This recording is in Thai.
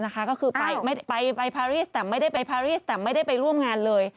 ก็คือไปภาษาภาคเพราะว่าไปไพรีสต์แต่ไม่ได้การร่วมงานเลย